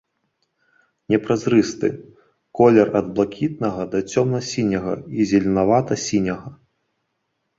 Непразрысты, колер ад блакітнага да цёмна-сіняга і зеленавата-сіняга.